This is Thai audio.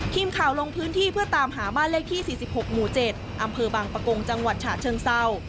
ทีมข่าวลงพื้นที่เพื่อตามหาบ้านเลขที่๔๖หมู่๗อำเภอบางปะกงจังหวัดฉะเชิงเศร้า